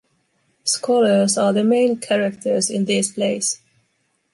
Scholars are the main characters in these plays.